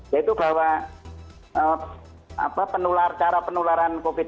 yaitu bahwa cara penularan covid sembilan belas